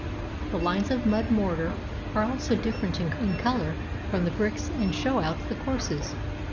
The lines of mud mortar are also different in color from the bricks and show out the courses.